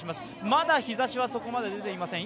まだ日ざしはそこまで出ていません。